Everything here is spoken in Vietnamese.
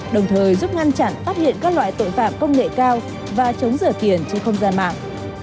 đồng thời giúp ngăn chặn phát hiện các loại tội phạm công nghệ cao và chống rửa tiền trên không gian mạng